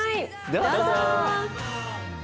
どうぞ。